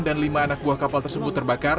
dan lima anak buah kapal tersebut terbakar